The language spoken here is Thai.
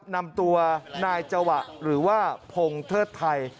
นำตัวนายจวะหรือว่าพงเทิดไทย